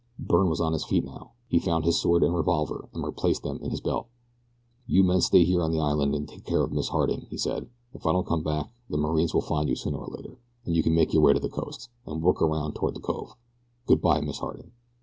Byrne was on his feet now. He found his sword and revolver and replaced them in his belt. "You men stay here on the island and take care of Miss Harding," he said. "If I don't come back the marines will find you sooner or later, or you can make your way to the coast, and work around toward the cove. Good bye, Miss Harding."